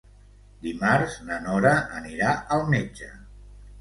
Dimarts na Nora anirà al metge.